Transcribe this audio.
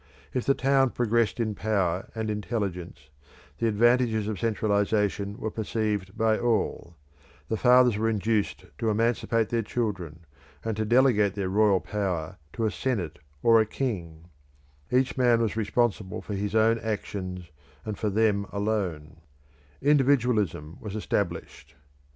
If the town progressed in power and intelligence, the advantages of centralisation were perceived by all; the fathers were induced to emancipate their children, and to delegate their royal power to a senate or a king; each man was responsible for his own actions, and for them alone; individualism was established.